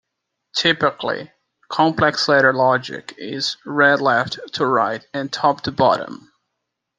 Typically, complex ladder logic is 'read' left to right and top to bottom.